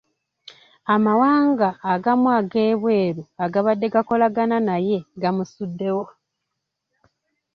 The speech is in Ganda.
Amawanga agamu ag'ebweru agabadde gakolagana naye gamusuddewo.